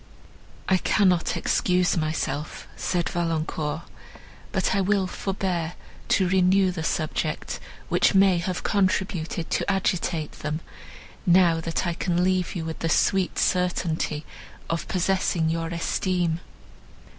"I cannot excuse myself," said Valancourt, "but I will forbear to renew the subject, which may have contributed to agitate them, now that I can leave you with the sweet certainty of possessing your esteem."